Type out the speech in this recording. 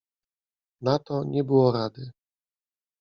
Na to nie było rady.